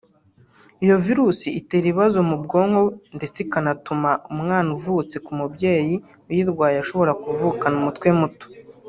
Iyo virus itera ibibazo mu bwonko ndetse ikanatuma umwana uvutse ku mubyeyi uyirwaye ashobora kuvukana umutwe muto